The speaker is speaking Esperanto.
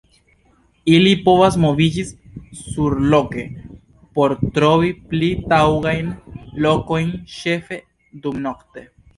Ili povas moviĝi surloke por trovi pli taŭgajn lokojn, ĉefe dumnokte.